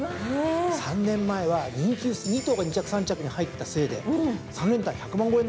３年前は人気薄２頭が２着３着に入ったせいで３連単１００万超えになりましたからね。